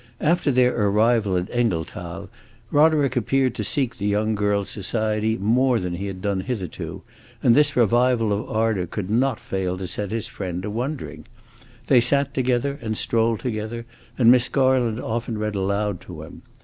After their arrival at Engelthal, Roderick appeared to seek the young girl's society more than he had done hitherto, and this revival of ardor could not fail to set his friend a wondering. They sat together and strolled together, and Miss Garland often read aloud to him.